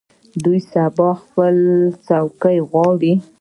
دوی سبا هم خپلې څوکۍ غواړي.